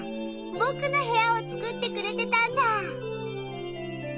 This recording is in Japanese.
僕の部屋を作ってくれてたんだ！